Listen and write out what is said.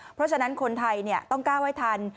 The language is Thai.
เพราะฉะนั้นคนไทยต้องก้าวให้ทัน